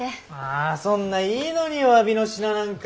あそんないいのにおわびの品なんか。